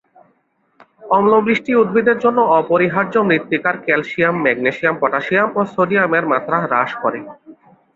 অম্লবৃষ্টি উদ্ভিদের জন্য অপরিহার্য মৃত্তিকার ক্যালসিয়াম, ম্যাগনেসিয়াম, পটাসিয়াম ও সোডিয়ামের মাত্রা হ্রাস করে।